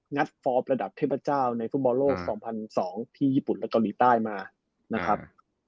ฟอร์มระดับเทพเจ้าในฟุตบอลโลก๒๐๐๒ที่ญี่ปุ่นและเกาหลีใต้มานะครับ